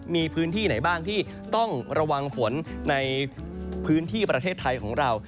มีพื้นที่ไหนบ้างที่ต้องระวังฝนในพื้นที่ประเทศไทยของเรา